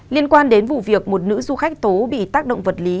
liên quan đến vụ việc một nữ du khách tố bị tác động vật lý